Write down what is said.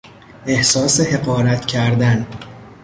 احساس حقارت کردن